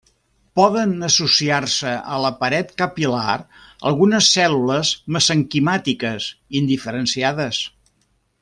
Poden associar-se a la paret capil·lar algunes cèl·lules mesenquimàtiques indiferenciades.